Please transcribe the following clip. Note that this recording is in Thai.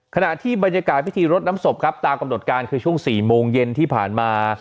ขณะที่บรรยากาศพิธีรดน้ำศพครับตามกำหนดการคือช่วง๔โมงเย็นที่ผ่านมา